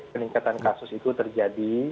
peningkatan kasus itu terjadi